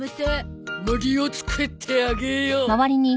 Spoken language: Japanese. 森を作ってあげよう。